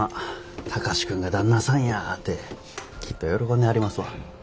貴司君が旦那さんやってきっと喜んではりますわ。